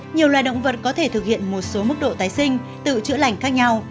nhiều loài động vật có thể thực hiện một số mức độ tái sinh tự chữa lành khác nhau